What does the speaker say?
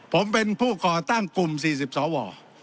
ผมเป็นผู้ก่อตั้งกลุ่ม๔๐สว